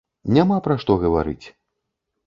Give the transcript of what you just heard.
Няма пра што гаварыць.